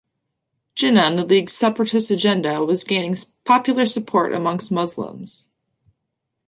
Jinnah and the League's separatist agenda was gaining popular support amongst Muslims.